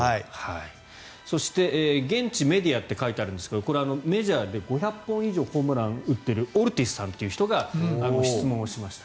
そして現地メディアと書いてあるんですがこれはメジャーで５００本以上ホームランを打っているオルティズさんという人が質問しました。